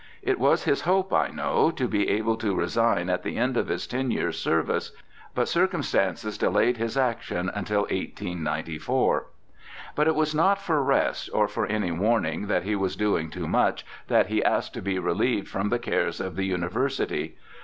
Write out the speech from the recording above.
It was his hope, I know, to be able to resign at the end of his ten years' service, but cir cumstances delayed his action until 1894. But it was not for rest, or for any warning that he was doing too much, that he asked to be relieved from the cares of the University.